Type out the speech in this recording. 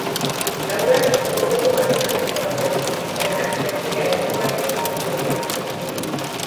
Laurak konboiko kabinan zihoazen, trenak trenbidearen mugarekin jo zuenean.